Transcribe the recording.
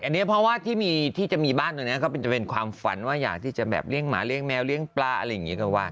อันนี้เพราะว่าที่จะมีบ้านตรงนี้ก็จะเป็นความฝันว่าอยากที่จะแบบเลี้ยงหมาเลี้ยแมวเลี้ยงปลาอะไรอย่างนี้ก็ว่า